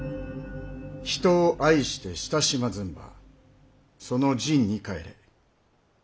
「人を愛して親しまずんば其の仁に反れ。